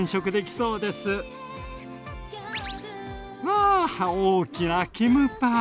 わあ大きなキムパ！